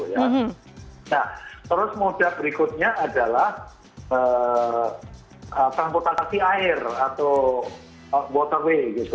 nah terus modal berikutnya adalah terampotasi air atau waterway